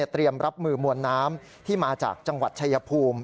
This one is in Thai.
เตรียมรับมือมวลน้ำที่มาจากจังหวัดชายภูมิ